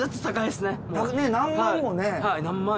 何万もね。